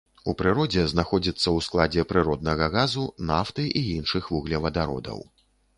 У прыродзе знаходзіцца ў складзе прыроднага газу, нафты і іншых вуглевадародаў.